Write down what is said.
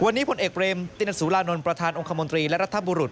วันนี้ผลเอกเบรมตินสุรานนท์ประธานองคมนตรีและรัฐบุรุษ